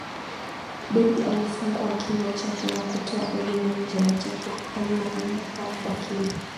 Debby alifungua kinywa chake na kutoa ulimi nje na Jacob aliuangalia kwa makini